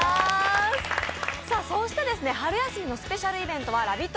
春休みのスペシャルイベントはラヴィット！